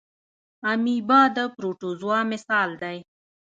امیبا د پروټوزوا مثال دی